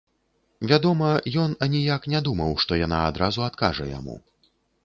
Вядома, ён аніяк не думаў, што яна адразу адкажа яму.